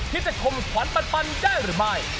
จะคมขวัญปันได้หรือไม่